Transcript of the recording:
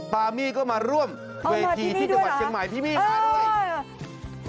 ปามี่ก็มาร่วมเวทีที่จังหวัดเชียงใหม่พี่มี่มาด้วยเออ